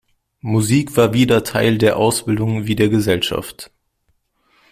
Musik war wieder Teil der Ausbildung wie der Gesellschaft.